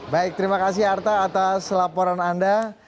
baik terima kasih arta atas laporan anda